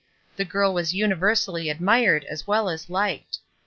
The girl was universally admired as well as hked.